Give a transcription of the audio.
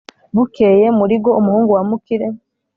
bukeye muligo, umuhungu wa mukire